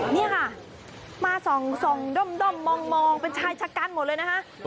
นี่ค่ะมาส่องด้อมมองเป็นชายชะกันหมดเลยนะคะ